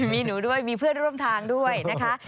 มีหนูด้วยมีเพื่อนร่วมทางด้วยนะคะ